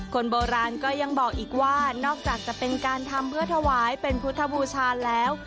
คนโบราณก็ยังบอกอีกว่านอกจากจะเป็นการทำเพื่อถวายเป็นพุทธบูชาแล้ว